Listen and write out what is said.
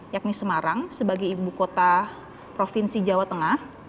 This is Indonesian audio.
yakni semarang sebagai ibu kota provinsi jawa tengah